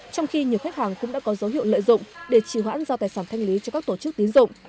trong khi nhiều khách hàng cũng đã có dấu hiệu lợi dụng để trì hoãn giao tài sản thanh lý cho các tổ chức tín dụng